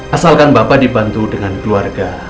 asalkan bapak dibantu dengan keluarga